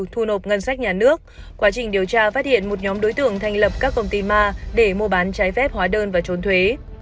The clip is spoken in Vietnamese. thu nộp ngân sách nhà nước quá trình điều tra phát hiện một nhóm đối tượng thành lập các công ty ma để mua bán trái phép hóa đơn và trốn thuế